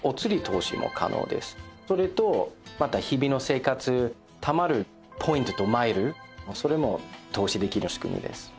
それとまた日々の生活貯まるポイントとマイルそれも投資できる仕組みです。